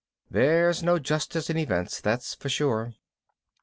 There's no justice in events, that's for sure.